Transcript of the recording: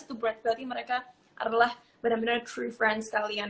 itu berarti mereka adalah benar benar true friends kalian